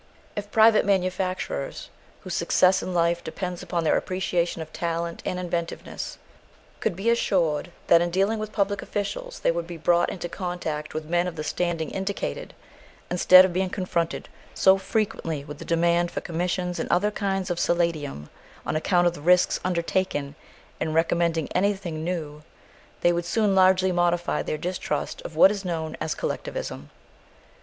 If private manufacturers, whose success in life depends upon their appreciation of talent and inventiveness, could be assured that in dealing with public officials they would be brought into contact with men of the standing indicated, instead of being confronted so frequently with the demand for commissions and other kinds of solatium on account of the risks undertaken in recommending anything new, they would soon largely modify their distrust of what is known as collectivism.